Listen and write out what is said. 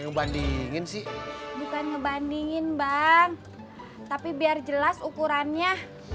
ngebandingin sih bukan ngebandingin bang tapi biar jelas ukurannya